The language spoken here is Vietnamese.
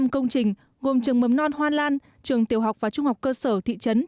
năm công trình gồm trường mầm non hoa lan trường tiểu học và trung học cơ sở thị trấn